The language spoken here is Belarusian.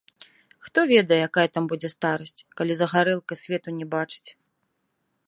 Хто ведае, якая там будзе старасць, калі за гарэлкай свету не бачыць.